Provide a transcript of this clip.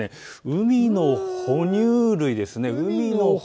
海の哺乳類です。